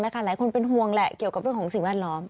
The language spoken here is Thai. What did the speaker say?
หลายคนเป็นห่วงแหละเกี่ยวกับเรื่องของสิ่งแวดล้อม